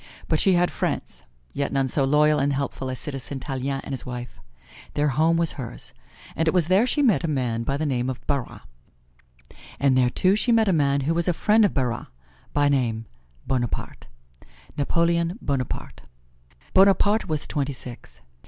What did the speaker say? But she had friends, yet none so loyal and helpful as Citizen Tallien and his wife. Their home was hers. And it was there she met a man by the name of Barras, and there too she met a man who was a friend of Barras; by name, Bonaparte Napoleon Bonaparte. Bonaparte was twenty six.